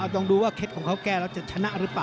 ต้องดูว่าเคล็ดของเขาแก้แล้วจะชนะหรือเปล่า